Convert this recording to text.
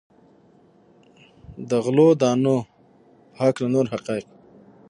د غلو دانو په هکله نور حقایق.